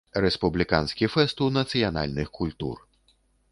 Рэспубліканскі фэсту нацыянальных культур.